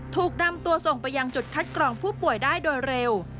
ถูกนำตัวส่งไปยังจุดคัดกรองผู้ป่วยได้โดยเร็ว